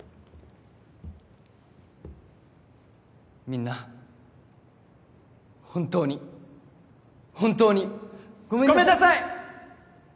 みんな本当に本当にごめんなさごめんなさい！